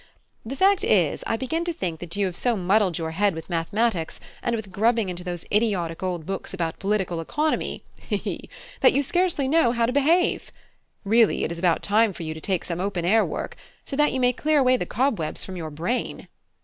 The fact is, I begin to think that you have so muddled your head with mathematics, and with grubbing into those idiotic old books about political economy (he he!), that you scarcely know how to behave. Really, it is about time for you to take to some open air work, so that you may clear away the cobwebs from your brain."